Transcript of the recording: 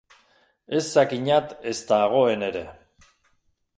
Ez zakinat ezta hagoen ere.